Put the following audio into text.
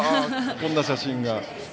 こんな写真も。